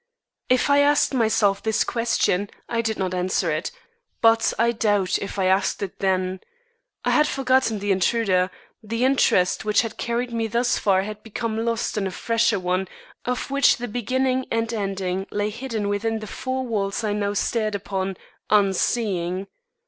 If I asked myself this question, I did not answer it, but I doubt if I asked it then. I had forgotten the intruder; the interest which had carried me thus far had become lost in a fresher one of which the beginning and ending lay hidden within the four walls I now stared upon, unseeing.